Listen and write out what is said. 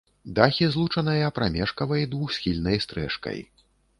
Дахі злучаныя прамежкавай двухсхільнай стрэшкай.